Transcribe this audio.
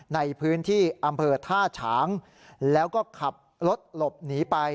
ในพื้นที่อำเภอท่าฉางแล้วก็ขับรถหลบหนีไป